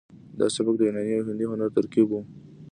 دا سبک د یوناني او هندي هنر ترکیب و